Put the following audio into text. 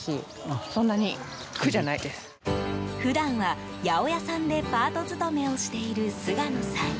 普段は八百屋さんでパート勤めをしている菅野さん。